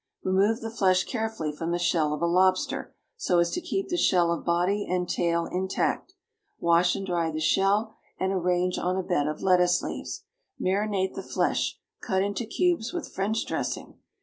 2.= Remove the flesh carefully from the shell of a lobster, so as to keep the shell of body and tail intact; wash and dry the shell and arrange on a bed of lettuce leaves. Marinate the flesh, cut into cubes, with French dressing.